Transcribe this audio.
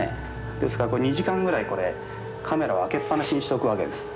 ですから２時間ぐらいこれカメラを開けっ放しにしておくわけです。